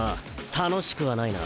楽しくはないな。